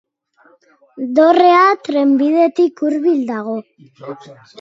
Dorrea trenbidetik hurbil dago.